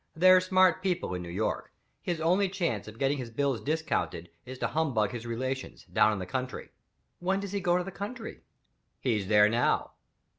They're smart people in New York. His only chance of getting his bills discounted is to humbug his relations, down in the country." "When does he go to the country?" "He's there now."